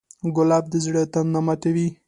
ګلاب د زړه تنده ماتوي.